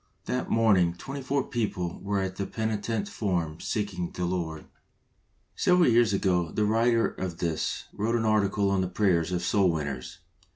That morning twenty four people were at the penitent form seeking the Lord ! Several years ago the writer of this wrote an article on the prayers of soul winners.